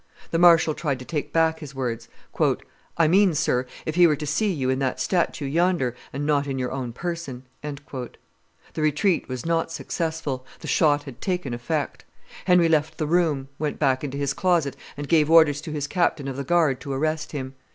The marshal tried to take back his words: "I mean, sir, if he were to see you in that statue yonder, and not in your own person." The retreat was not successful; the shot had taken effect; Henry left the room, went back into his closet, and gave orders to his captain of the guard to arrest him.